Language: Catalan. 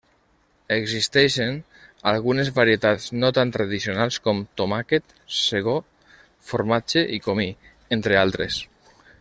Existeixen algunes varietats no tan tradicionals com: tomàquet, segó, formatge i comí, entre altres.